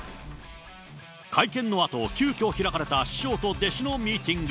会見のあと、急きょ開かれた師匠と弟子のミーティング。